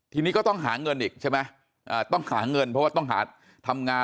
ทีนี้ก็ต้องหาเงินอีกใช่ไหมต้องหาเงินเพราะว่าต้องหาทำงาน